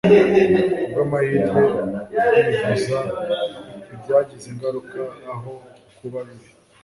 ku bw'amahirwe, kwivuza ntibyagize ingaruka aho kuba bibi